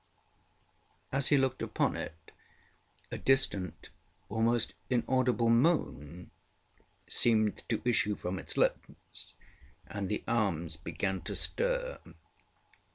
As he looked upon it, a distant, almost inaudible moan seemed to issue from its lips, and the arms began to stir.